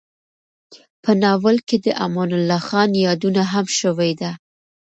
په ناول کې د امان الله خان یادونه هم شوې ده.